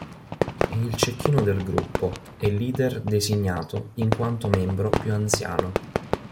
È il cecchino del gruppo e leader designato in quanto membro più anziano.